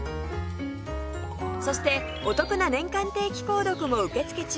そしてお得な年間定期購読も受け付け中